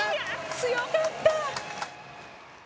強かった！